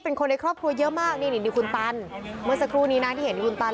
เป็นคนในครอบครัวเยอะมากนี่นี่คุณตันเมื่อสักครู่นี้นะที่เห็นคุณตัน